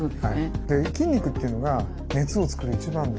筋肉というのが熱を作る一番の。